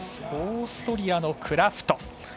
オーストリアのクラフト。